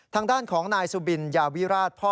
ทางด้านของนายสุบินยาวิราชพ่อ